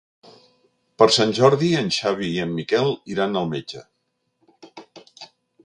Per Sant Jordi en Xavi i en Miquel iran al metge.